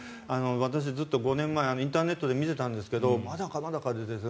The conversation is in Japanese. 私、ずっと５年前インターネットで見ていたんですがまだかまだかと。